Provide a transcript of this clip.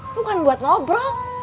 bukan buat ngobrol